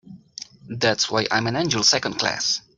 That's why I'm an angel Second Class.